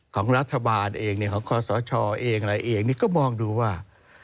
ของรัฐบาลเองของคอสชเองอะไรเองนี่ก็มองดูว่า